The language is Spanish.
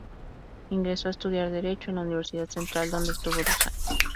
Ingresó a estudiar Derecho en la Universidad Central, donde estuvo dos años.